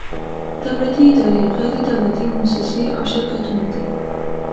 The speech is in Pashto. دولتي ادارې، غیر دولتي مؤسسې او شرکتونه دي.